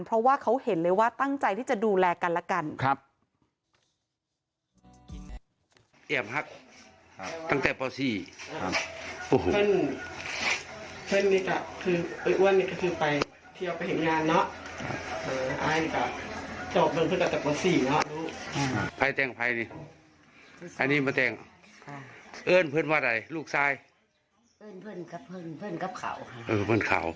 เพราะว่าเขาเห็นเลยว่าตั้งใจที่จะดูแลกันและกัน